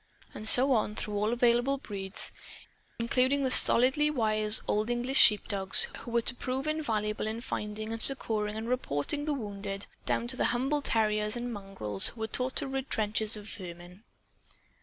And so on through all available breeds, including the stolidly wise Old English sheepdogs who were to prove invaluable in finding and succoring and reporting the wounded, down to the humble terriers and mongrels who were taught to rid trenches of vermin.